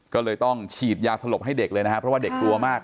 ก็เลยต้องฉีดยาสลบให้เด็กเลยนะครับเพราะว่าเด็กกลัวมาก